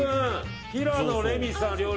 平野レミさん料理の。